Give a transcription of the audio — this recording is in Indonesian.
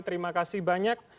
terima kasih banyak